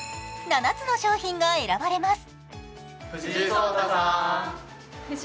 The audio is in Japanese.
７つの商品が選ばれます。